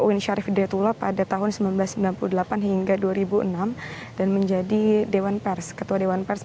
uin syarif detullah pada tahun seribu sembilan ratus sembilan puluh delapan hingga dua ribu enam dan menjadi dewan pers ketua dewan pers